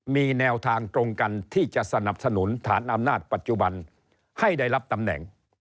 มีแนวทางตรงกันที่จะสนับสนุนฐานอำนาจปัจจุบันให้ได้รับตำแหน่ง